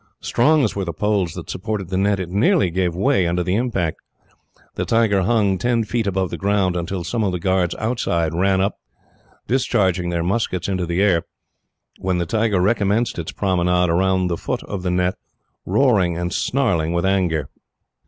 Strong as were the poles that supported the net, it nearly gave way under the impact. The tiger hung, ten feet above the ground, until some of the guards outside ran up, discharging their muskets into the air, when it recommenced its promenade round the foot of the net, roaring and snarling with anger.